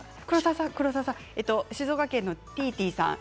静岡県の方です。